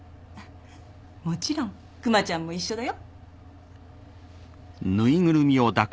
もちろん熊ちゃんも一緒だよ